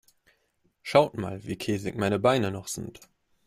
Schaut mal, wie käsig meine Beine noch sind.